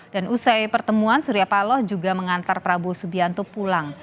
dan usai pertemuan surya paloh juga mengantar prabowo subianto pulang